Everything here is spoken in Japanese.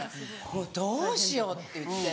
もうどうしようっていって。